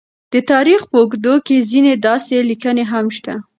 د تاریخ په اوږدو کې ځینې داسې لیکنې هم شته،